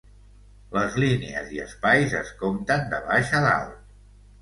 Les línies i espais es compten de baix a dalt.